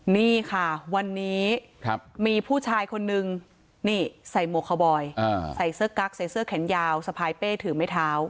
นี่ค่ะวันนี้มีผู้ชายคนนึงนี่ใส่หมวกคาวบอยใส่เสื้อกั๊กใส่เสื้อแขนยาวสะพายเป้ถือไม้เท้า